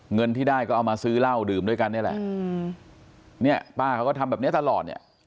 เงินที่ได้ก็เอามาซื้อเหล้าดื่มด้วยกันนี่แหละเนี่ยป้าเขาก็ทำแบบเนี้ยตลอดเนี่ย